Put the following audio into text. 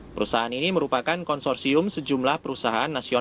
perusahaan ini merupakan konsorsium sejumlah perusahaan yang berperan